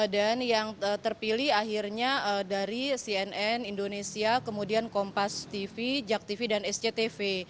dan yang terpilih akhirnya dari cnn indonesia kemudian kompas tv jak tv dan sctv